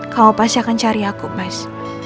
kau pasti akan cari aku mas